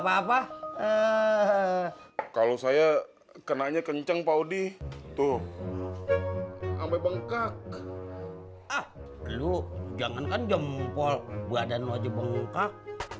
papa eh kalau saya kenanya kenceng paudi tuh ampe bengkak ah lu jangankan jempol badan wajib bengkak